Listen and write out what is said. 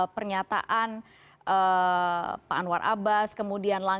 pernyataan pak anwar afrikan